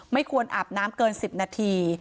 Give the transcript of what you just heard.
ไม่ควรอาบน้ำเกิน๑๐นาที